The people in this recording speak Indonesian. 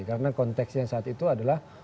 karena konteksnya saat itu adalah